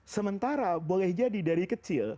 sementara boleh jadi dari kecil